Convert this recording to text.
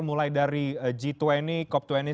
mulai dari g dua puluh cop dua puluh